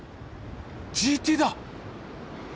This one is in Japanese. ＧＴだ！